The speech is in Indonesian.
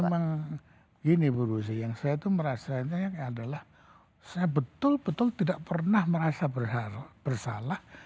begini bu rusi yang saya tuh merasanya adalah saya betul betul tidak pernah merasa bersalah